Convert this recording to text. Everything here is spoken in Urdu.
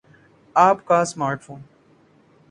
آپ کا سمارٹ فون